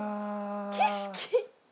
景色。